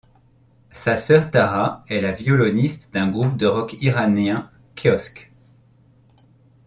Sa sœur Tara est la violoniste d'un groupe de rock iranien, Kiosk.